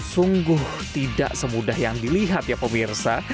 sungguh tidak semudah yang dilihat ya pemirsa